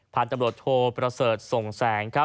ผ่านตำรวจโทรประเสริฐส่งแสง